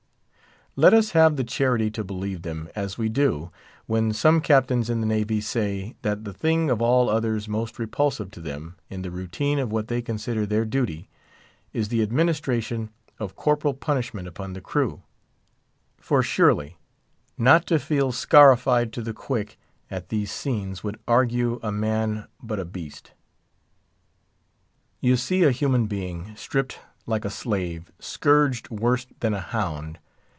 Let us have the charity to believe them—as we do—when some Captains in the Navy say, that the thing of all others most repulsive to them, in the routine of what they consider their duty, is the administration of corporal punishment upon the crew; for, surely, not to feel scarified to the quick at these scenes would argue a man but a beast. You see a human being, stripped like a slave; scourged worse than a hound.